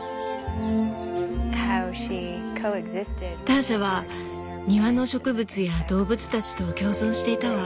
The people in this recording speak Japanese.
ターシャは庭の植物や動物たちと共存していたわ。